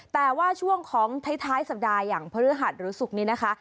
แต่ว่าช่วงของท้ายสัปดาห์อย่างพฤหัสหรือศุกร์นี้นะคะ